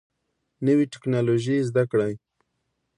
نوي ټکنالوژي زده کړئ